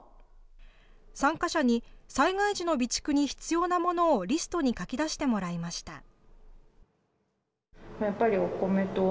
参加者に災害時の備蓄に必要なものをリストに書き出してもらいました。